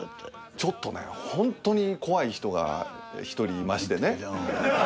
ちょっとねホントに怖い人が１人いましてね。